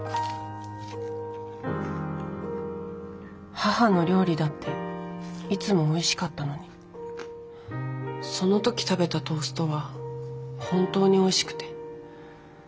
母の料理だっていつもおいしかったのにその時食べたトーストは本当においしくて。